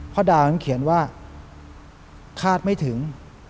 พอดาเขียนว่าคาดไม่ถึง